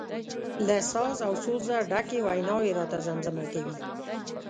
له ساز او سوزه ډکې ویناوي راته زمزمه کوي.